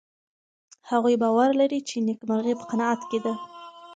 هغوی باور لري چې نېکمرغي په قناعت کې ده.